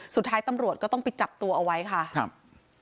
สุดท้ายตำรวจก็ต้องไปจับตัวเอาไว้ค่ะครับ